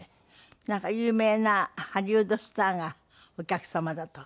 なんか有名なハリウッドスターがお客様だとか。